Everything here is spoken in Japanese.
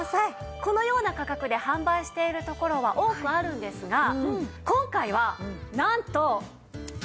このような価格で販売しているところは多くあるんですが今回はなんと。